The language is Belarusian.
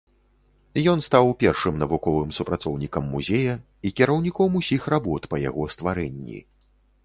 Ён стаў першым навуковым супрацоўнікам музея і кіраўніком ўсіх работ па яго стварэнні.